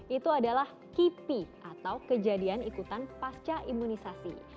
itu adalah kipi atau kejadian ikutan pasca imunisasi